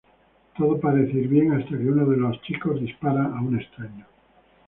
Todo parece ir bien hasta que uno de los chicos dispara a un extraño.